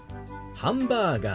ハンバーガー。